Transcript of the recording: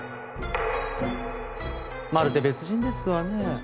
まるで別人ですわねえ。